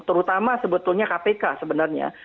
terutama sebetulnya kpk sebenarnya